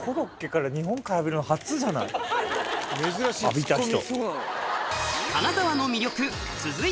浴びた人。